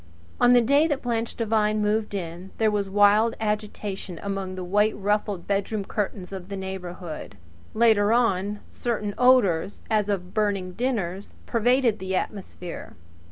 On the day that Blanche Devine moved in there was wild agitation among the white ruffled bedroom curtains of the neighbourhood. Later on certain odours, as of burning dinners, pervaded the atmosphere.